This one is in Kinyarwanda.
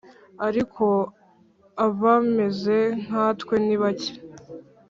ariko abameze nkatwe ni bake.